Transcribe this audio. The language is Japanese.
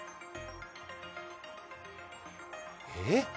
えっ！？